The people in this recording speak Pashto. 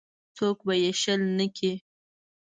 څوک به یې شل نه کړي.